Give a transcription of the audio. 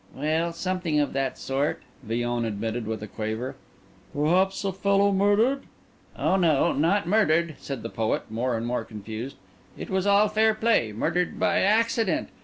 "Well, something of that sort," Villon admitted with a quaver. "Perhaps a fellow murdered?" "Oh no, not murdered," said the poet, more and more confused. "It was all fair play—murdered by accident.